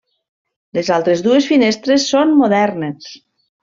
Les altres dues finestres són modernes.